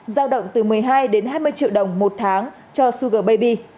giao động từ một mươi hai đến hai mươi triệu đồng một tháng cho suger baby